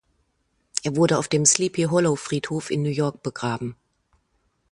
Er wurde auf dem Sleepy Hollow Friedhof in New York begraben.